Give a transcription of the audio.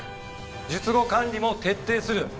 術後管理も徹底する。